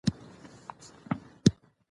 مازغه ئې اعصابو ته وړي